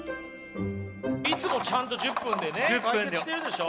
いつもちゃんと１０分でね解決してるでしょう。